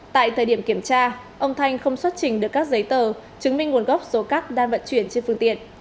tại thời điểm kiểm tra ông thanh không xuất trình được các giấy tờ chứng minh nguồn gốc số cát đang vận chuyển trên phương tiện